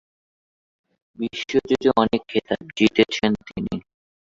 বিশ্বজুড়ে অনেক খেতাব জিতেছেন তিনি।